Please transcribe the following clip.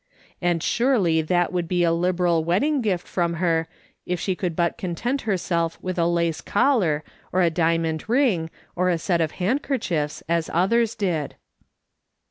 And surely that would be a liberal wedding gift from her, if she could but content her self with a lace collar, or a diamond ring, or a set of handkerchiefs, as others did.